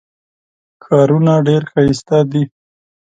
ښارونه ډېر ښایسته دي.